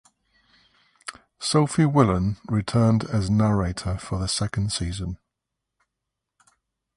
Sophie Willan returned as narrator for the second season.